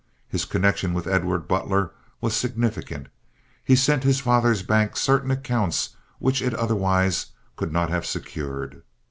His connection with Edward Butler was significant. He sent his father's bank certain accounts which it otherwise could not have secured.